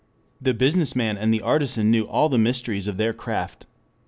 The business man and the artisan knew all the mysteries of their craft.